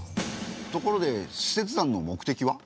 ところで使節団の目的は？